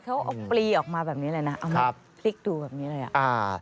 เขาเอาปลีออกมาแบบนี้เลยนะพลิกดูแบบนี้เลย